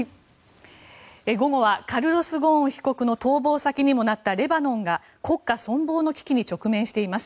午後は、カルロス・ゴーン被告の逃亡先にもなったレバノンが、国家存亡の危機に直面しています。